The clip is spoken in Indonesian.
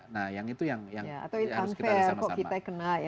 nah yang itu yang harus kita alih sama sama